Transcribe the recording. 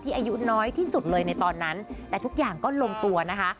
อายุน้อยที่สุดเลยในตอนนั้นแต่ทุกอย่างก็ลงตัวนะคะ